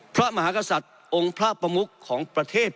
พระมหากษัตริย์องค์พระประมุขของประเทศ